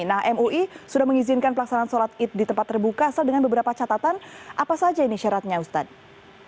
nah mui sudah mengizinkan pelaksanaan sholat id di tempat terbuka asal dengan beberapa catatan apa saja ini syaratnya ustadz